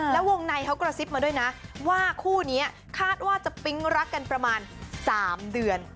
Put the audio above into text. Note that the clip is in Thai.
แล้ววงในเขากระซิบมาด้วยนะว่าคู่นี้คาดว่าจะปิ๊งรักกันประมาณ๓เดือน